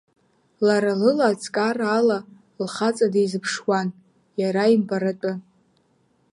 Лара лыла аҵкар ала лхаҵа дизыԥшуан, иара имбаратәы.